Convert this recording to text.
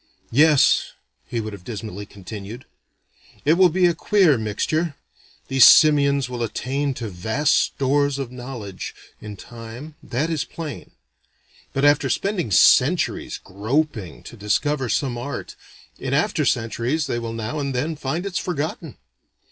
"Yes," he would have dismally continued, "it will be a queer mixture: these simians will attain to vast stores of knowledge, in time, that is plain. But after spending centuries groping to discover some art, in after centuries they will now and then find it's forgotten.